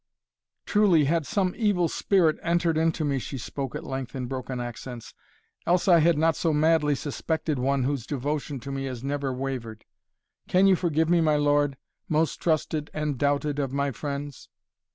"Truly had some evil spirit entered into me," she spoke at length in broken accents, "else had I not so madly suspected one whose devotion to me has never wavered. Can you forgive me, my lord, most trusted and doubted of my friends?"